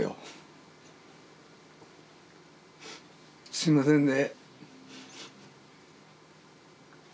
すいませんね。